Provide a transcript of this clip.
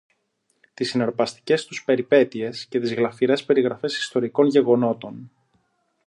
τις συναρπαστικές τους περιπέτειες, και τις γλαφυρές περιγραφές ιστορικών γεγονότων